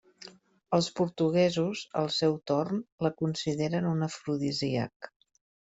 Els portuguesos, al seu torn, la consideren un afrodisíac.